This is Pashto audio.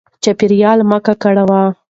چاپیریال مه ککړوئ.